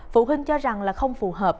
phụ huynh cho rằng là không phù hợp